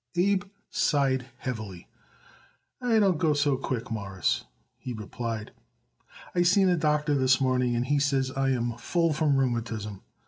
Abe sighed heavily. "It don't go so quick, Mawruss," he replied. "I seen a doctor this morning and he says I am full from rheumatism.